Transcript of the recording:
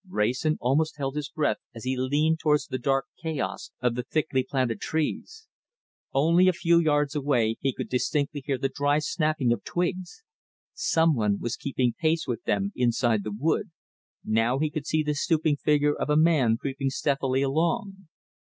Wrayson almost held his breath as he leaned towards the dark chaos of the thickly planted trees. Only a few yards away he could distinctly hear the dry snapping of twigs. Some one was keeping pace with them inside the wood, now he could see the stooping figure of a man creeping stealthily along.